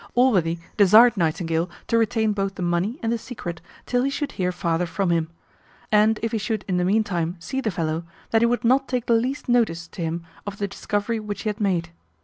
Allworthy desired Nightingale to retain both the money and the secret till he should hear farther from him; and, if he should in the meantime see the fellow, that he would not take the least notice to him of the discovery which he had made.